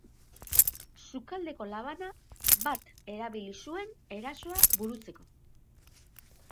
Sukaldeko labana bat erabili zuen erasoa burutzeko.